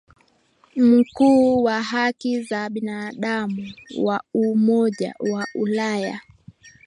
Mkuu wa haki za binadamu wa Umoja wa Ulaya